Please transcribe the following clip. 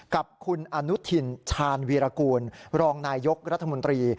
กับคุณอนุทินชาญวีรกูลรองนายยกรัฐมนตรี